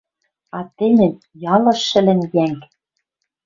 А тӹньӹн ялыш шӹлӹн йӓнг?